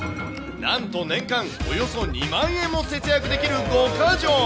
なんと年間およそ２万円も節約できる５か条。